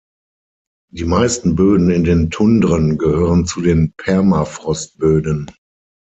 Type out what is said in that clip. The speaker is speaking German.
Die meisten Böden in den Tundren gehören zu den Permafrostböden.